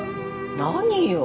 何よ